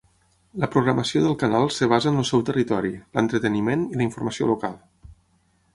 La programació del canal es basa en el seu territori, l'entreteniment i la informació local.